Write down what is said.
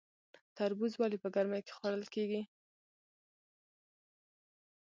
تربوز ولې په ګرمۍ کې خوړل کیږي؟